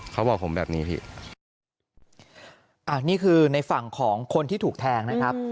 เขาบอกผมแบบนี้พี่อ่านี่คือในฝั่งของคนที่ถูกแทงนะครับ